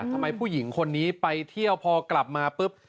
ทำไมผู้หญิงคนนี้ไปเที่ยวพอกลับมาปุ๊บ